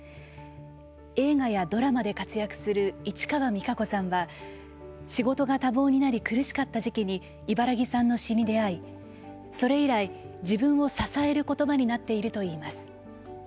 映画やドラマで活躍する市川実日子さんは仕事が多忙になり苦しかった時期に茨木さんの詩に出会いそれ以来自分を支える言葉になっているといいます。